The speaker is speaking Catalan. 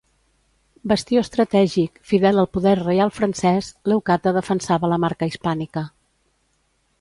Bastió estratègic, fidel al poder reial francès, Leucata defensava la marca hispànica.